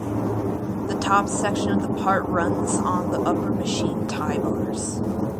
The top section of the part runs on the upper machine tie bars.